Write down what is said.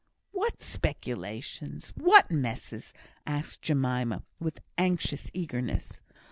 "What speculations? What messes?" asked Jemima, with anxious eagerness.